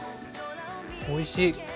おいしい。